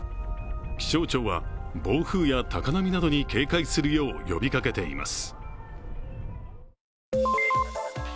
気象庁は暴風や高波などに警戒するよう呼びかけています。